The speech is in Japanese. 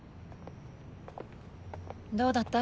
どうだった？